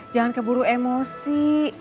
jangan keburu emosi